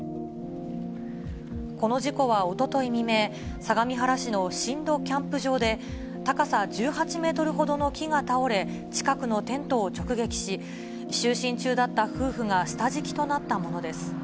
この事故は、おととい未明、相模原市の新戸キャンプ場で、高さ１８メートルほどの木が倒れ、近くのテントを直撃し、就寝中だった夫婦が下敷きとなったものです。